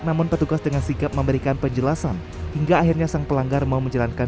namun petugas dengan sigap memberikan penjelasan hingga akhirnya sang pelanggar mau menjalankan